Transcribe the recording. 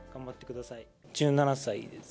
１７歳です。